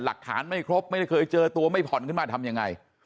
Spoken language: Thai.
หลักฐานไม่ครบไม่ได้เคยเจอตัวไม่ผ่อนขึ้นมาทำยังไง